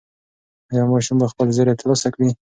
ایا ماشوم به خپل زېری ترلاسه کړي؟